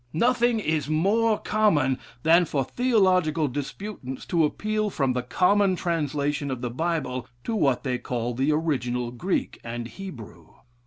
Nothing is more common than for theological disputants to appeal from the common translation of the Bible to what they call the original Greek and Hebrew.